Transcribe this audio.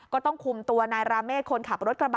ก็ต้องคุมตัวนายราเมฆคนขับรถกระบะ